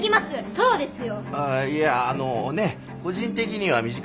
そうですよ。